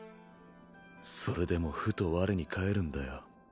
それでもふと我に返るんだよ。